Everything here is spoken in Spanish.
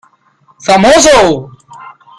¡ famoso!